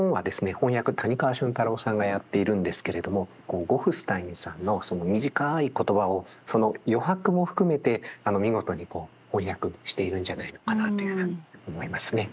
翻訳谷川俊太郎さんがやっているんですけれどもゴフスタインさんの短い言葉を余白も含めて見事に翻訳しているんじゃないのかなというふうに思いますね。